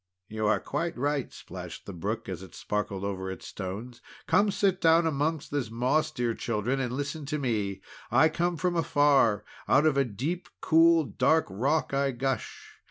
"You are quite right!" splashed the brook as it sparkled over its stones. "Come sit down among this moss, dear children, and listen to me. I come from afar; out of a deep, cool, dark rock I gush.